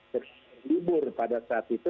terlibur pada saat itu